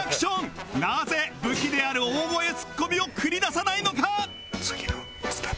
なぜ武器である大声ツッコミを繰り出さないのか？